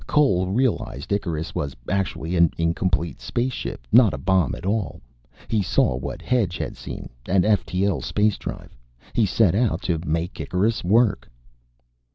Cole realized Icarus was actually an incomplete spaceship, not a bomb at all. He saw what Hedge had seen, an ftl space drive. He set out to make Icarus work."